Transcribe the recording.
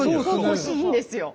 惜しいんですよ。